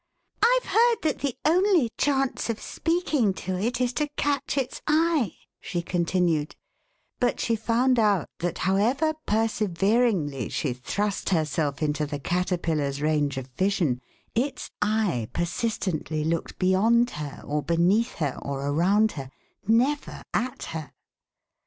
IVe heard that the only chance of speaking to it is to catch its eye," she continued, but she found out that however perseveringly she thrust herself into the Caterpillars range of vision its eye persistently looked beyond her, or beneath her, or around her — never at her.